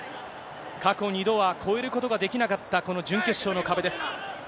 過去２度は超えることができなかった、この準決勝の壁です。